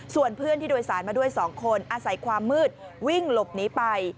ส่วนเพื่อนที่โดยสารมาด้วย๒คนอาศัยความมืดวิ่งหลบหนีไป